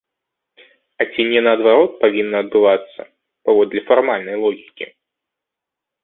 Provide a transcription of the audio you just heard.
А ці не наадварот павінна адбывацца, паводле фармальнай логікі?